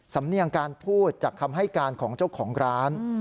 สำเนียงการพูดจากคำให้การของเจ้าของร้าน